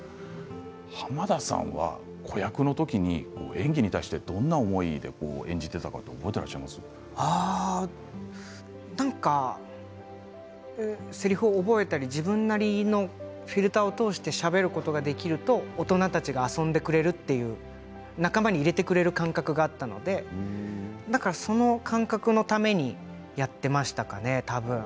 濱田さんは子役の時に演技に対してどんな思いで演じていたとか覚えてなんかせりふを覚えたり自分なりのフィルターを通してしゃべることができると大人たちが遊んでくれる仲間に入れてくれる感覚があったのでだからその感覚のためにやっていましたかね、多分。